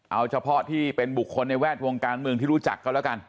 เอาเฉพาะที่เป็นบุคคลในแวดวงการเมืองที่รู้จักก็แล้วกัน